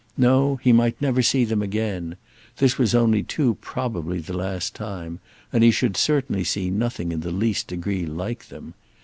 No, he might never see them again—this was only too probably the last time; and he should certainly see nothing in the least degree like them.